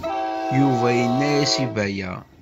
Yuba yenna-as i Baya.